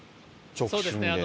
直進でね。